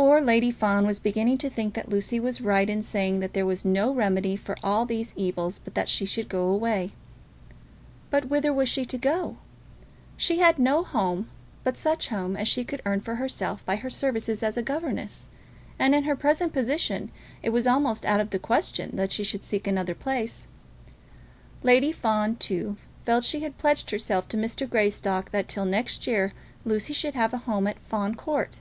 Poor Lady Fawn was beginning to think that Lucy was right in saying that there was no remedy for all these evils but that she should go away. But whither was she to go? She had no home but such home as she could earn for herself by her services as a governess, and in her present position it was almost out of the question that she should seek another place. Lady Fawn, too, felt that she had pledged herself to Mr. Greystock that till next year Lucy should have a home at Fawn Court. Mr.